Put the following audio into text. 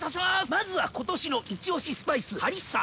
まずは今年のイチオシスパイスハリッサ！